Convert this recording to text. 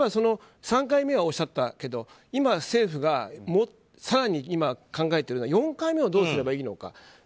３回目、おっしゃったけど今、政府が更に考えてるのは４回目をどうすればいいのか。